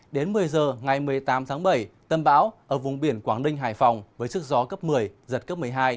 đến một mươi giờ ngày một mươi tám tháng bảy tâm bão ở vùng biển quảng ninh hải phòng với sức gió cấp một mươi giật cấp một mươi hai